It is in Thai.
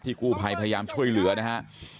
กู้ภัยพยายามช่วยเหลือนะฮะ